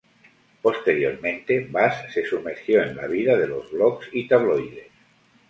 Posteriormente, Bass se sumergió en la vida de los blogs y tabloides.